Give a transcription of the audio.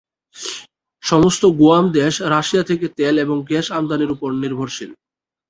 সমস্ত গুয়াম দেশ রাশিয়া থেকে তেল এবং গ্যাস আমদানির উপর নির্ভরশীল।